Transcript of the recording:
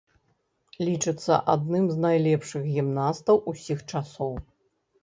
Лічыцца адным з найлепшых гімнастаў усіх часоў.